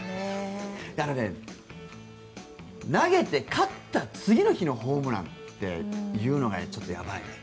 投げて、勝った次の日のホームランというのがちょっとやばいね。